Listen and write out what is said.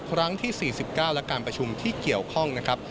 ครั้งที่๔๙และการประชุมที่เกี่ยวข้องนะครับ